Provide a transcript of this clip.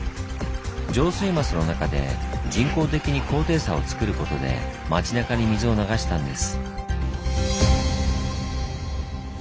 上水枡の中で人工的に高低差をつくることで町なかに水を流したんです。